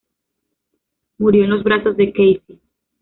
Murió en los brazos de Cassie.